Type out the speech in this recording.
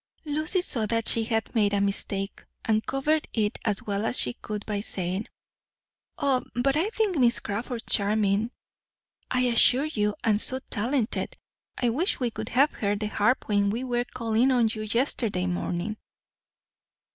Lucy saw that she had made a mistake, and covered it as well as she could by saying: "Oh, but I think Miss Crawford charming, I assure you, and so talented. I wish we could have heard the harp when we were calling on you yesterday morning."